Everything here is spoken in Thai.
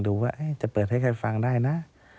ดูว่าจะเปิดให้ใครฟังได้นะ